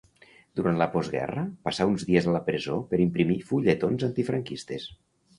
Durant la postguerra passà uns dies a la presó per imprimir fulletons antifranquistes.